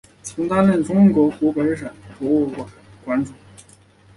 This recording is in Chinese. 曾担任中国湖北省博物馆馆长。